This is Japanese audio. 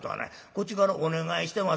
こっちからお願いしてますんや」。